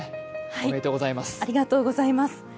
おめでとうございます。